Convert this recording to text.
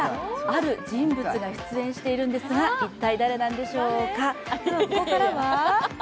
ある人物が出演しているんですが一体誰なんでしょうか。